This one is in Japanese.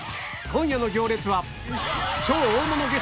今夜の『行列』はキャ！